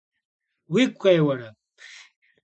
– Уигу къеуэрэ?